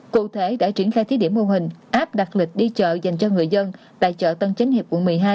cụ thể đã triển khai thí điểm mô hình áp đặt lịch đi chợ dành cho người dân tại chợ tân chánh hiệp quận một mươi hai